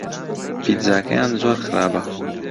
پیتزاکەیان زۆر خراپە.